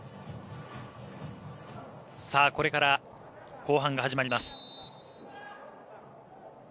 これから後半が始まります。